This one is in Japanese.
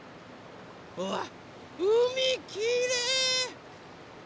うわっうみきれい！